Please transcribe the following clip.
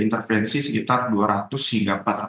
intervensi sekitar dua ratus hingga